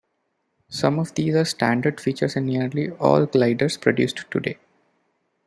Some of these are standard features in nearly all gliders produced today.